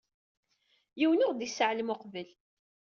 Yiwen ur ɣ-d-isseɛlem uqbel.